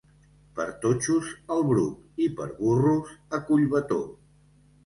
Per totxos al Bruc, i per burros a Collbató.